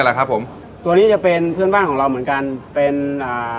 แหละครับผมตัวนี้จะเป็นเพื่อนบ้านของเราเหมือนกันเป็นอ่า